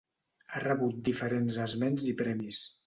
Ha rebut diferents esments i premis.